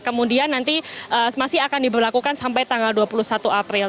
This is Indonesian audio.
kemudian nanti masih akan diberlakukan sampai tanggal dua puluh satu april